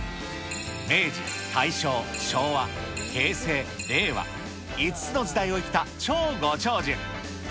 明治、大正、昭和、平成、令和、５つの時代を生きた超ご長寿。